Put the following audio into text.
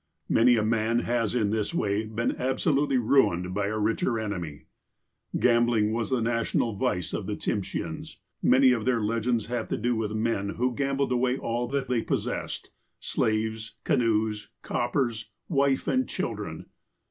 Many a man has in this way been absolutely ruined by a richer enemy. Gambling was a national vice of the Tsimsheans. Many of their legends have to do with men who gambled away all that they possessed — slaves, canoes, coppei s, wife and children.